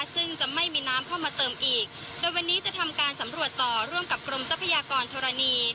ซึ่งจะไม่มีน้ำเข้ามาเติมอีกโดยวันนี้จะทำการสำรวจต่อร่วมกับกรมทรัพยากรธรณี